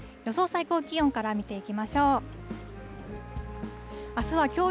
最高気温から見ていきましょう。